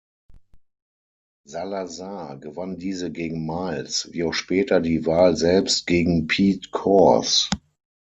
Salazar gewann diese gegen Miles, wie auch später die Wahl selbst gegen Pete Coors.